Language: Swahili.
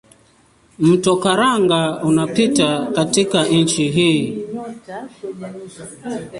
Mto Karanga unapita katika nchi hii.